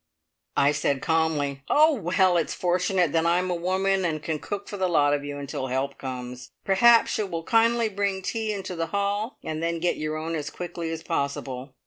I said calmly, "Oh, well, it's fortunate that I am a woman, and can cook for the lot of you until help comes. Perhaps you will kindly bring tea into the hall, and then get your own as quickly as possible.